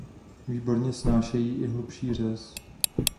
Výborně snášejí i hlubší řez.